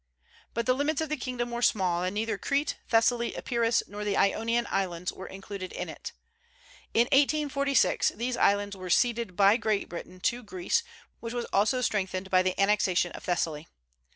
But the limits of the kingdom were small, and neither Crete, Thessaly, Epirus, nor the Ionian Islands were included in it. In 1846 these islands were ceded by Great Britain to Greece, which was also strengthened by the annexation of Thessaly.